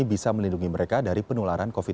bisa melindungi mereka dari penularan covid sembilan belas